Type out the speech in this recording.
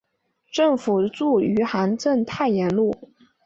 政府驻余杭镇太炎路。